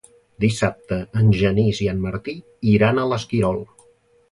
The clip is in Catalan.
Dissabte en Genís i en Martí iran a l'Esquirol.